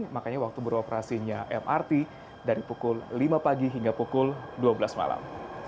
makanya waktu beroperasinya mrt dari pukul lima pagi hingga pukul dua belas malam